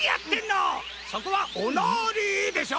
そこは「おなり」でしょ！